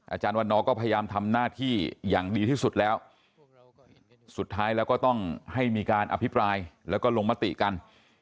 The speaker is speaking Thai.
อาจารย์วันนอร์ก็พยายามทำหน้าที่อย่างดีที่สุดแล้วสุดท้ายแล้วก็ต้องให้มีการอภิปรายแล้วก็ลงมติกัน